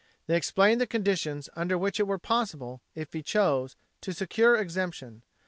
They explained the conditions under which it were possible, if he chose, to secure exemption.